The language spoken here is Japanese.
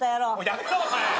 やめろお前！